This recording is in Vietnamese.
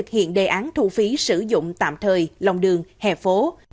thực hiện đề án thu phí sử dụng tạm thời lòng đường hè phố